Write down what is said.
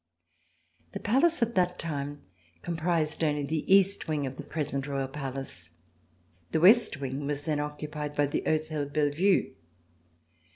The Palace at that time comprised only the east wing of the present Royal Palace. The west wing was then occupied by the Hotel Bellevue.